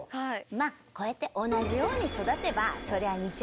まあこうやって同じように育てばそりゃ似ちゃうわよ。